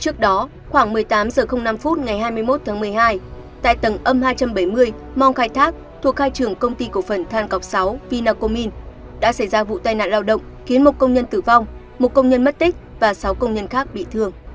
trước đó khoảng một mươi tám h năm ngày hai mươi một tháng một mươi hai tại tầng âm hai trăm bảy mươi mong khai thác thuộc khai trường công ty cổ phần than cọc sáu vinacomin đã xảy ra vụ tai nạn lao động khiến một công nhân tử vong một công nhân mất tích và sáu công nhân khác bị thương